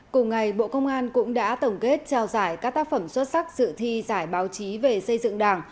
cùng ngày bộ công an cũng đã tổng kết trao giải các tác phẩm xuất sắc dự thi giải báo chí về xây dựng đảng